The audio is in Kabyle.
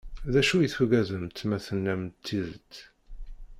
D acu i tugademt ma tennamt-d tidet?